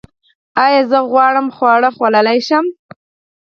ایا زه غوړ خواړه خوړلی شم؟